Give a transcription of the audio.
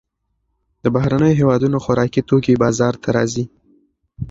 د بهرنیو هېوادونو خوراکي توکي بازار ته راځي.